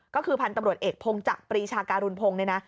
ก็คือพันธุ์ตำรวจเอกพงจักรปรีชาการุณพงศ์เนี่ยนะ